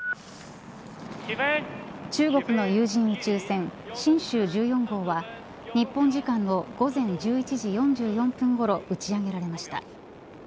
中国の有人宇宙船神舟１４号は日本時間の午前１１時４４分ごろ打ち上げられました。